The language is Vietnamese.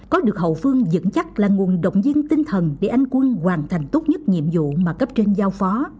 có được hậu phương dẫn chắc là nguồn động viên tinh thần để anh quân hoàn thành tốt nhất nhiệm vụ mà cấp trên giao phó